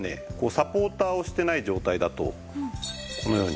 サポーターをしてない状態だとこのように。